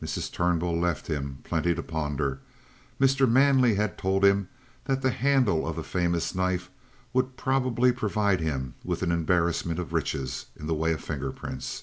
Mrs. Turnbull left him plenty to ponder. Mr. Manley had told him that the handle of the famous knife would probably provide him with an embarrassment of riches in the way of finger prints.